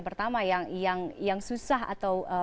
pertama yang susah atau